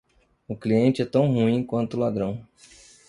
O cliente é tão ruim quanto ladrão.